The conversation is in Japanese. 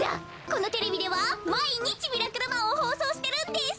このテレビではまいにち「ミラクルマン」をほうそうしてるんです。